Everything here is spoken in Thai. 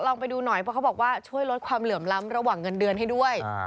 ไปดูหน่อยเพราะเขาบอกว่าช่วยลดความเหลื่อมล้ำระหว่างเงินเดือนให้ด้วย